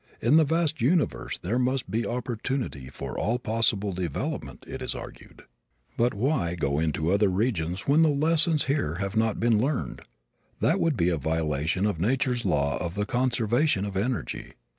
In the vast universe there must be opportunity for all possible development, it is argued. But why go on into other regions when the lessons here have not been learned? That would be a violation of nature's law of the conservation of energy.